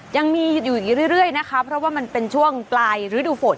ยังมีอยู่อีกเรื่อยนะคะเพราะว่ามันเป็นช่วงปลายฤดูฝน